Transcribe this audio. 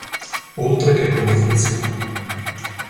Oltre che come funziona.